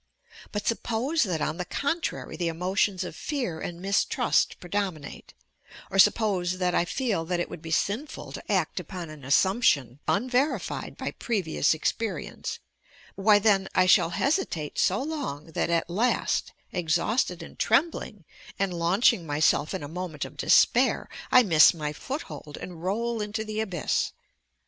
But suppose that on the contrary the emo tions of fear and mistrust predominate, or, suppose that I feel that it would be sinful to act upon an assump tion unverified by previous experience, why then, 1 shall hesitate so long that at last, exhausted and trem bling, and launching myself in a moment of despair, I miss my foothold and roll into the abyss.